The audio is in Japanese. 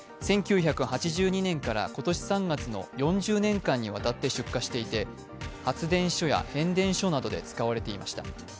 １９８２年から今年３月の４０年間にわたって出荷していて発電所や変電所などで使われていました。